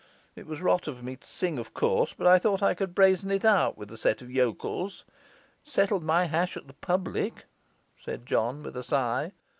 It was rot of me to sing, of course, but I thought I could brazen it out with a set of yokels. It settled my hash at the public,' said John, with a sigh.